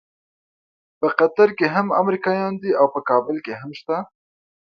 په قطر کې هم امریکایان دي او په کابل کې هم شته.